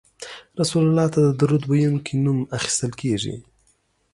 رسول الله ته د درود ویونکي نوم اخیستل کیږي